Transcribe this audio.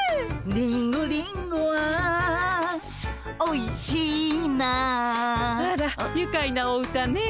「リンゴリンゴはおいしいな」あらゆかいなお歌ね。